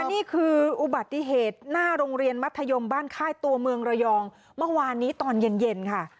นี่คืออุบัติเหตุหน้าโรงเรียนมัธยมบ้านค่ายตัวเมืองระยองเมื่อวานนี้ตอนเย็นค่ะ